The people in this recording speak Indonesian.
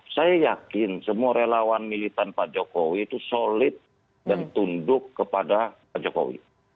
saya yakin semua relawan militan pak jokowi itu solid dan tunduk kepada pak jokowi